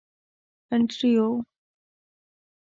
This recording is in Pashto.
انډریو.